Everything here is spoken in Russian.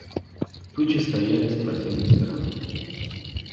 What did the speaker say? Тучи стояли с противной стороны.